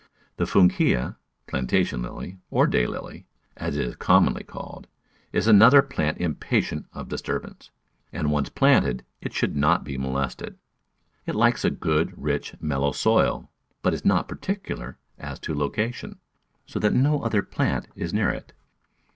The Funkia (Plantain Lily), or Day Lily, as it is commonly called, is another plant impatient of dis turbance ; and once planted it should not be molested. It likes a good, rich, mellow soil, but is not particular as to location, so that no other plant is near it.